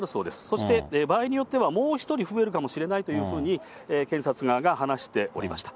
そして場合によってはもう１人増えるかもしれないというふうに、検察側が話しておりました。